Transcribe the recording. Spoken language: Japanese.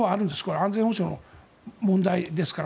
安全保障の問題ですから。